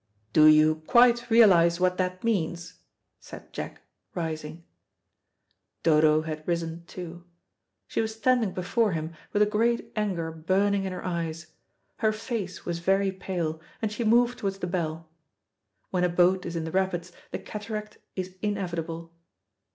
"Do you quite realise what that means?" said Jack, rising. Dodo had risen too; she was standing before him with a great anger burning in her eyes. Her face was very pale, and she moved towards the bell. When a boat is in the rapids the cataract is inevitable.